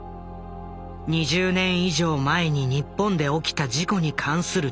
２０年以上前に日本で起きた事故に関する特集。